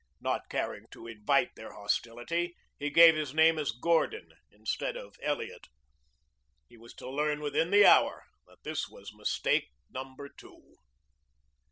Not caring to invite their hostility, he gave his name as Gordon instead of Elliot. He was to learn within the hour that this was mistake number two.